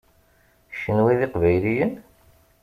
Kenwi d Iqbayliyen?